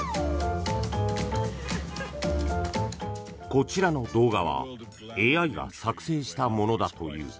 こちらの動画はＡＩが作成したものだという。